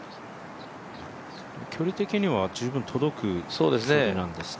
距離的には十分届く距離なんですか。